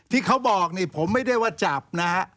ที่เขาบอกนี่ผมไม่ได้ว่าจับนะฮะ